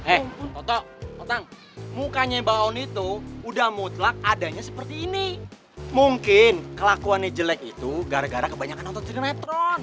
eh total mukanya mbak on itu udah mutlak adanya seperti ini mungkin kelakuannya jelek itu gara gara kebanyakan nonton sinetron